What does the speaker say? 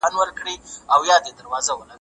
مرګ د بدن له ځورونې ډیر ښه دی.